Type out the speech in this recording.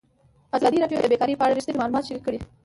ازادي راډیو د بیکاري په اړه رښتیني معلومات شریک کړي.